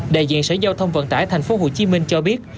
đại diện sở giao thông vận tải thành phố hồ chí minh cho biết